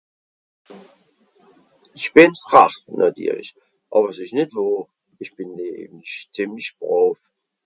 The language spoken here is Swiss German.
Ìch bìn frach nàtirlich, àwer s'ìsch nìt wohr. Ìch bìn nämlich zìemlich bràv.